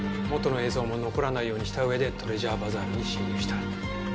元の映像も残らないようにした上でトレジャーバザールに侵入した。